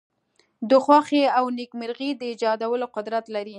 د خوښۍ او نېکمرغی د ایجادولو قدرت لری.